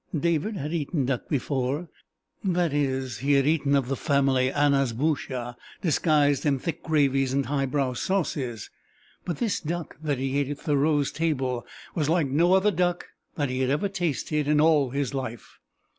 David had eaten duck before; that is, he had eaten of the family anas boschas disguised in thick gravies and highbrow sauces, but this duck that he ate at Thoreau's table was like no other duck that he had ever tasted in all his life.